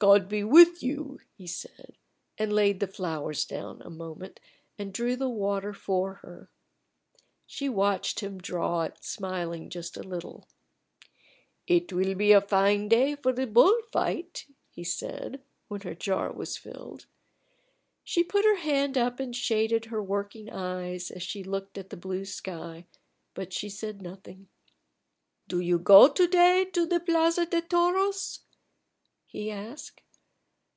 "God be with you!" he said, and laid the flowers down a moment and drew the water for her. She watched him draw it, smiling just a little. "It will be a fine day for the bull fight," he said, when her jar was filled. She put her hand up and shaded her working eyes as she looked at the blue sky, but she said nothing. "Do you go to day to the Plaza de Toros?" he asked.